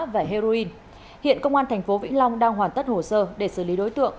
và heroin hiện công an tp vĩnh long đang hoàn tất hồ sơ để xử lý đối tượng